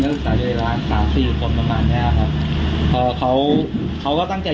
นักศึกษายนต์ร้านศาสตร์สี่คนประมาณเนี้ยฮะเอ่อเขาเขาก็ตั้งใจ